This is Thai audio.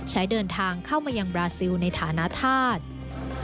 เดินทางเข้ามายังบราซิลในฐานะธาตุ